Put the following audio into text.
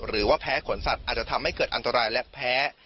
หรือว่าแพ้ขนสัตว์อาจจะทำให้เกิดอันตรายและแพ้